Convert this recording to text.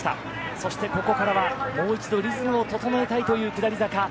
そしてここからはもう一度リズムを整えたいという下り坂